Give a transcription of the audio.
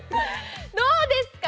どうですか？